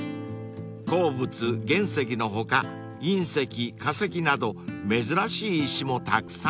［鉱物原石の他隕石化石など珍しい石もたくさん］